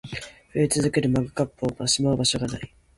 増え続けるマグカップをしまう場所が無い